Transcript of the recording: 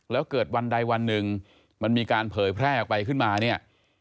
แล้วเกิดวันใดวันหนึ่งมันมีการเผยแพร่ออกไปขึ้นมาเนี่ย